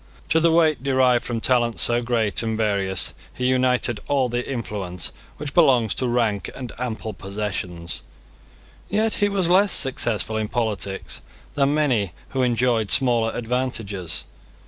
To the weight derived from talents so great and various he united all the influence which belongs to rank and ample possessions. Yet he was less successful in politics than many who enjoyed smaller advantages.